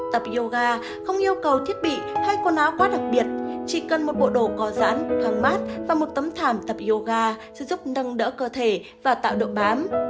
tập yoga không yêu cầu thiết bị hay quần áo quá đặc biệt chỉ cần một bộ đồ go giãn thoáng mát và một tấm thảm tập yoga sẽ giúp nâng đỡ cơ thể và tạo độ bám